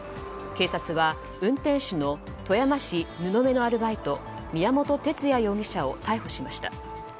警察は運転手の富山市布目のアルバイト宮元哲也容疑者を逮捕しました。